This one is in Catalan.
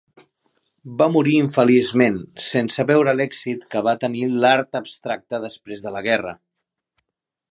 Va morir infeliçment, sense veure l'èxit que va tenir l'art abstracte després de la guerra.